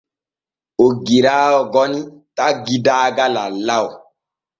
Oggiraawo goni taggi daaga lallaw.